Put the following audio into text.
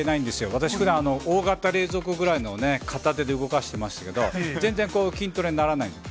私、ふだん大型冷蔵庫ぐらいのを片手で動かしてましたけど、全然、筋トレにならないんです。